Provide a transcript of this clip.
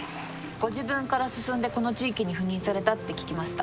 ご自分から進んでこの地域に赴任されたって聞きました。